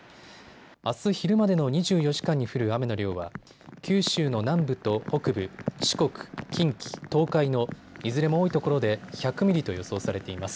あす昼までの２４時間に降る雨の量は九州の南部と北部、四国、近畿、東海のいずれも多いところで１００ミリと予想されています。